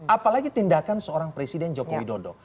apalagi tindakan seorang presiden jokowi dodo